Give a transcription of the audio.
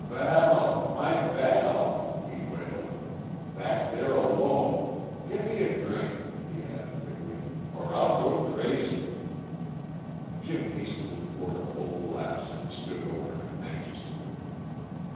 "Val my Val!" he wailed, "Back there alone get me a drink," he added thickly, "or I'll go crazy!" Jim hastily poured a full glass, and stood over him anxiously.